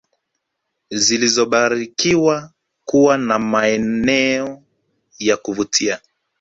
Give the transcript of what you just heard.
zilizobarikiwa kuwa na maeneo ya kuvutia